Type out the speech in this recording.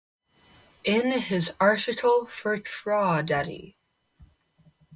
In his article for Crawdaddy!